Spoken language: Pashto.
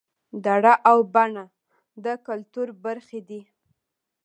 دړه او بنه د کولتور برخې دي